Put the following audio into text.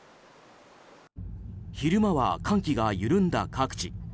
昼間は寒気が緩んだ各地。